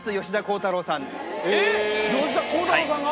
吉田鋼太郎さんが？